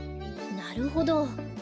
なるほど。